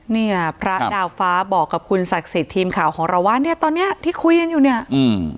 เนี่ยพระดาวฟ้าบอกกับคุณศักดิ์สิทธิ์ทีมข่าวของเราว่าเนี้ยตอนเนี้ยที่คุยกันอยู่เนี่ยอืม